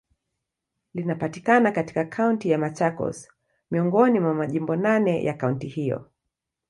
Linapatikana katika Kaunti ya Machakos, miongoni mwa majimbo naneya kaunti hiyo.